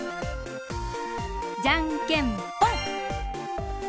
じゃんけんぽん！